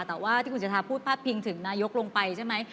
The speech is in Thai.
แต่ว่าที่คุณสิทธาพูดพาดพิงถึงนายกลงไปใช่ไหม